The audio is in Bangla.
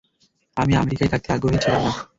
আমি আমেরিকায় থাকতে আগ্রহী ছিলাম না।